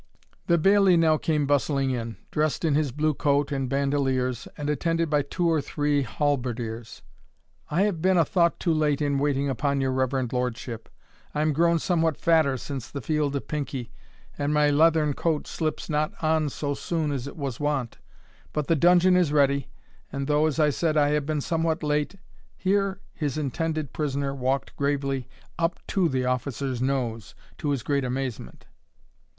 The bailie now came bustling in, dressed in his blue coat and bandaliers, and attended by two or three halberdiers. "I have been a thought too late in waiting upon your reverend lordship. I am grown somewhat fatter since the field of Pinkie, and my leathern coat slips not on so soon as it was wont; but the dungeon is ready, and though, as I said, I have been somewhat late " Here his intended prisoner walked gravely up to the officer's nose, to his great amazement.